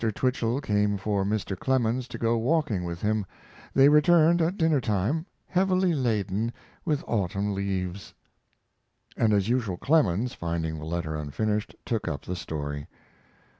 Twichell came for Mr. Clemens to go walking with him; they returned at dinner time, heavily laden with autumn leaves. And as usual Clemens, finding the letter unfinished, took up the story.